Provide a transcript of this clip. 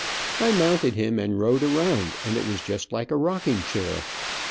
I mounted him and rode around and it was just like a rocking chair.